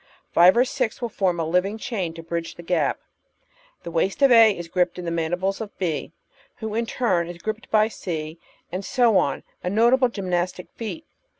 Five or six will form a living chain to bridge the gap. The waist of A is gripped in the mandibles of B, who is in turn gripped by C, and so on — a notable gymnastic feat.